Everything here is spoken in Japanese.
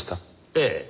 ええ。